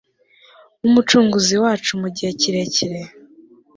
wUmucunguzi wacu mu gihe kirekire